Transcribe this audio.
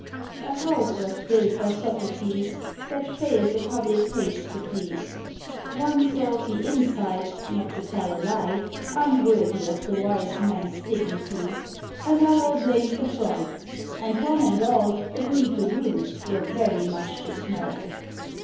A house was built by Socrates, That failed the public taste to please. One thought the inside, not to tell a lie, Unworthy of the wise man's dignity. Another blamed the front; and one and all Agreed the rooms were very much too small.